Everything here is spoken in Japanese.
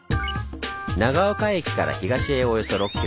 長岡駅から東へおよそ６ｋｍ。